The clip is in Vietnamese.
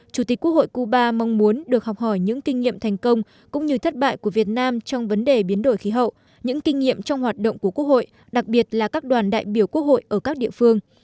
chủ tịch quốc hội cuba mong muốn được học hỏi những kinh nghiệm thành công cũng như thất bại của việt nam trong vấn đề biến đổi khí hậu những kinh nghiệm trong hoạt động của quốc hội đặc biệt là các đoàn đại biểu quốc hội ở các địa phương